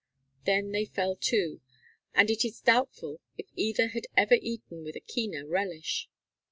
Then they fell to, and it is doubtful if either had ever eaten with a keener relish.